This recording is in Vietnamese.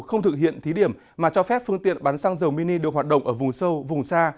không thực hiện thí điểm mà cho phép phương tiện bán xăng dầu mini được hoạt động ở vùng sâu vùng xa